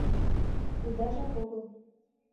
Удажак огыл.